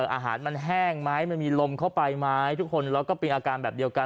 อาหารมันแห้งไหมมันมีลมเข้าไปไหมทุกคนแล้วก็เป็นอาการแบบเดียวกัน